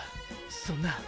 そんな。